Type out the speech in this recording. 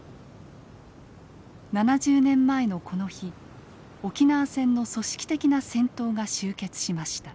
７０年前のこの日沖縄戦の組織的な戦闘が終結しました。